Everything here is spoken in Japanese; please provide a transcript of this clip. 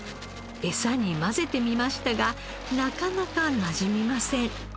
エサに混ぜてみましたがなかなかなじみません。